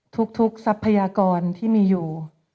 ทรัพยากรที่มีอยู่